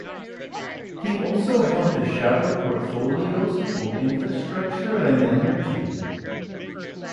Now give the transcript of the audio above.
He also held the shadow portfolios of Infrastructure and Energy.